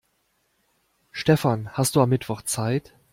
Stefan, hast du am Mittwoch Zeit?